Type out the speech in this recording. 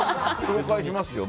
紹介しますよ。